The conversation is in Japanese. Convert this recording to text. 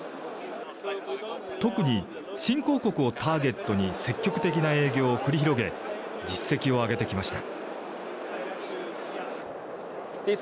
特に新興国をターゲットに積極的な営業を繰り広げ実績を上げてきました。